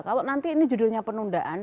kalau nanti ini judulnya penundaan